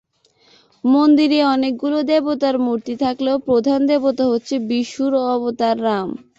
মন্দিরে অনেকগুলো দেবতার মূর্তি থাকলেও প্রধান দেবতা হচ্ছে বিষ্ণুর অবতার রাম।